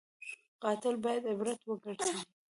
قاتل باید عبرت وګرځي